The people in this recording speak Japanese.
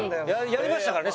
やりましたからね